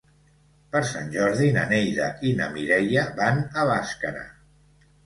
Per Sant Jordi na Neida i na Mireia van a Bàscara.